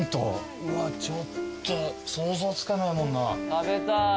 うわっちょっと想像つかないもんな。